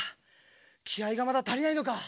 きあいがまだたりないのか？